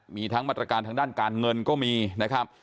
มีทั้งมาตรการทางด้านการเงินก็มีนะครับ